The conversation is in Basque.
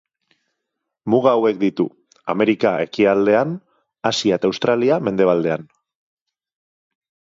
Muga hauek ditu: Amerika, ekialdean; Asia eta Australia mendebalean.